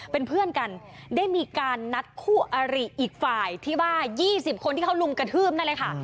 เป็นเพื่อนกันได้มีการนัดคู่อาริอีกฝ่ายที่ว่า๒๐คนที่เขาลุมกระทืบนั่นแหละค่ะ